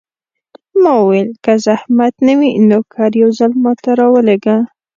ما وویل: که زحمت نه وي، نوکر یو ځل ما ته راولېږه.